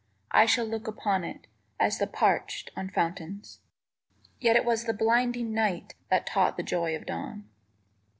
I shall look upon it As the parched on fountains, Yet it was the blinding night _That taught the joy of dawn.